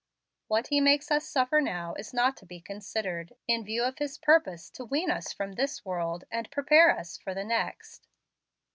What He makes us suffer now is not to be considered, in view of His purpose to wean us from this world and prepare us for the next.